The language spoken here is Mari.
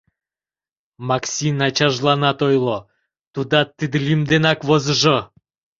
Максин ачажланат ойло: тудат тиде лӱм денак возыжо.